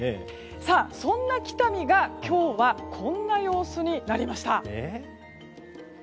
そんな北見が今日はこんな様子になりました。